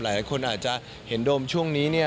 หลายคนอาจจะเห็นโดมช่วงนี้เนี่ย